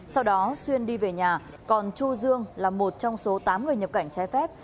sau đó xuyên đi về nhà còn chu dương là một trong số tám người nhập cảnh trái phép